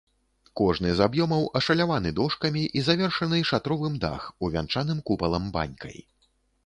Кожны з аб'ёмаў ашаляваны дошкамі і завершаны шатровым дах, увянчаным купалам-банькай.